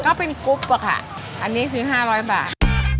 ก็เป็นกรุ๊ปอะค่ะอันนี้คือ๕๐๐บาท